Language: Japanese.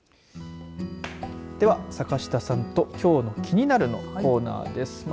では坂下さんときょうのキニナル！のコーナーです。